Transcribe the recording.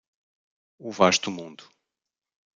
O vasto mundo